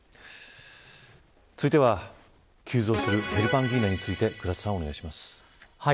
続いては、急増するヘルパンギーナについて倉田さんお願いします。